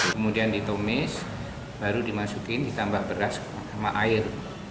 kemudian ditumis baru dimasukin ditambah beras sama air